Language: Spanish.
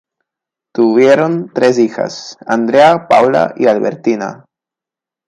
Tuvieron tres hijas: Andrea, Paula y Albertina.